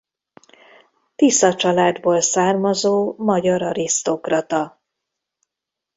Tisza családból származó magyar arisztokrata.